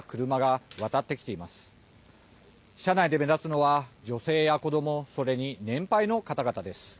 車内で目立つのは女性や子どもそれに年配の方々です。